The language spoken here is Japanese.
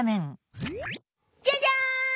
「じゃじゃん！